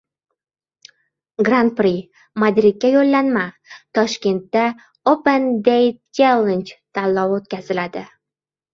Gran-pri — Madridga yo‘llanma! Toshkentda Open Data Challenge tanlovi o‘tkaziladi